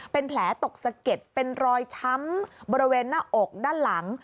เป็นแผลตกสะเก็ดเป็นรอยช้ำบริเวณหน้าอกด้านหลัง